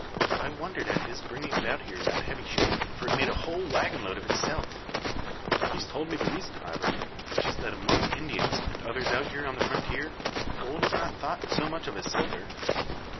I wondered at his bringing it out here in that heavy shape, for it made a whole waggon load of itself. He's told me the reason, however; which is, that among Indians and others out here on the frontier, gold is not thought so much of as silver."